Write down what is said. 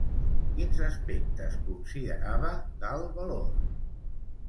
Quins aspectes considerava d'alt valor?